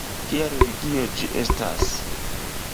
Kia religio ĝi estas?